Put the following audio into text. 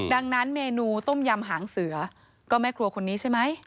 ดังนั้นเมนูต้มยำหางเสือก็แม่ครัวคนนี้ใช่ไหม